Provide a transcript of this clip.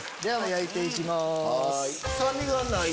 焼いていきます。